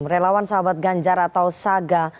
relawan sahabat ganjar atau saga